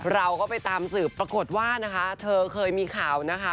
เราก็ไปตามสืบปรากฏว่านะคะเธอเคยมีข่าวนะคะ